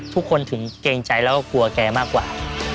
ทุกคนถึงเกรงใจแล้วก็กลัวแกมากกว่า